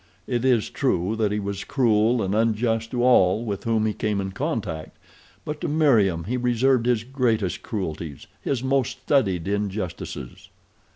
It is true that he was cruel and unjust to all with whom he came in contact, but to Meriem he reserved his greatest cruelties, his most studied injustices.